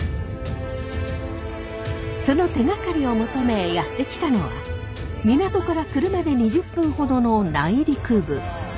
その手がかりを求めやって来たのは港から車で２０分ほどの内陸部。